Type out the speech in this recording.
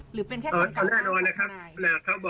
คุณผู้ชมครับ